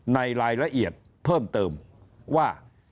ในรายละเอียดเพิ่มเติมว่า